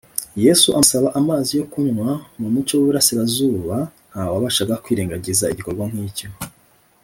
Yesu amusaba amazi yo kunywa. Mu muco w’Iburasirazuba, nta wabashaga kwirengagiza igikorwa nk’icyo